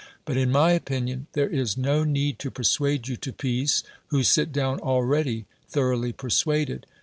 But in my opinion tlit^re is no need to persuade you to ])eace, who sit down already thoroughly persuaded.